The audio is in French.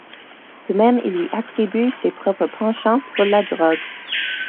De même, il lui attribue ses propres penchants pour la drogue.